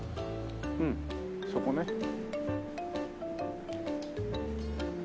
そこね。